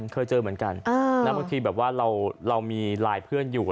เคยเจอเหมือนกันแล้วบางทีแบบว่าเรามีไลน์เพื่อนอยู่